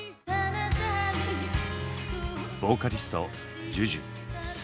ボーカリストＪＵＪＵ。